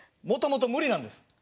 もともと無理なんです。